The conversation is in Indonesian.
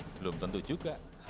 belum tentu juga